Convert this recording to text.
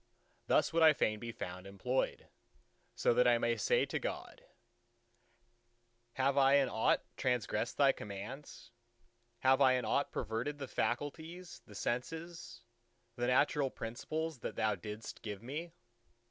Thus would I fain to be found employed, so that I may say to God, "Have I in aught transgressed Thy commands? Have I in aught perverted the faculties, the senses, the natural principles that Thou didst give me?